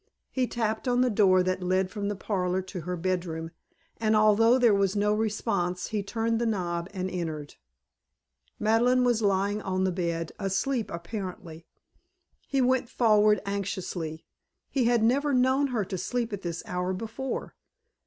He tapped on the door that led from the parlor to her bedroom, and although there was no response he turned the knob and entered. Madeleine was lying on the bed, asleep apparently. He went forward anxiously; he had never known her to sleep at this hour before.